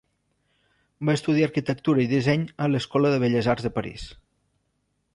Va estudiar arquitectura i disseny a l'escola de Belles Arts de París.